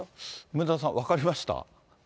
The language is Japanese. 梅沢さん、分かりました？